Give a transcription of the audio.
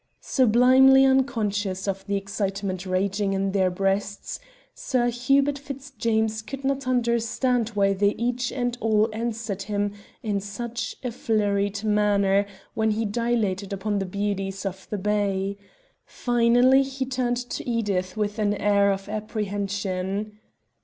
Sublimely unconscious of the excitement raging in their breasts, Sir Hubert Fitzjames could not understand why they each and all answered him in such a flurried manner when he dilated upon the beauties of the bay. Finally he turned to Edith with an air of apprehension.